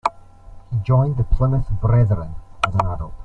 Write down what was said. He joined the Plymouth Brethren as an adult.